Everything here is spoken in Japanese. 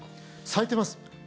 咲いてます。